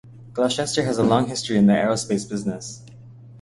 Gloucester has a long history in the aerospace business.